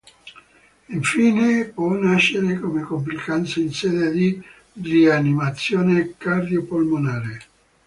Infine può nascere come complicanza in sede di rianimazione cardiopolmonare.